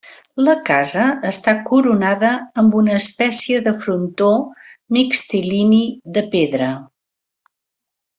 La casa està coronada amb una espècie de frontó mixtilini de pedra.